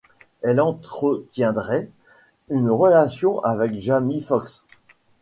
Elle entretiendrait une relation avec Jamie Foxx.